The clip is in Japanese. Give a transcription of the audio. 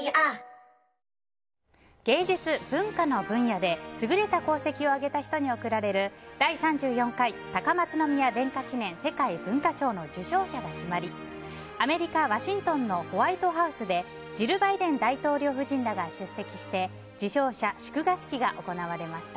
芸術・文化の分野で優れた功績を挙げた人に贈られる第３４回高松宮殿下記念世界文化賞の受賞者が決まりアメリカ・ワシントンのホワイトハウスでジル・バイデン大統領夫人らが出席して受賞者祝賀式が行われました。